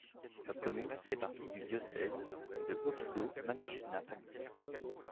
La commune fait partie du diocèse de Oppido Mamertina-Palmi.